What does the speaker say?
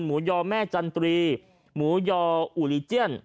ยอแม่จันตรีหมูยออุลีเจียน